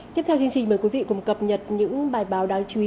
tiếp theo chương trình mời quý vị cùng cập nhật những bài báo đáng chú ý